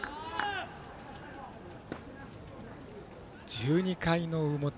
１２回の表。